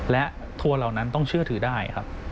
และทัวร์เหล่านั้นต้องเชื่อถือได้ครับ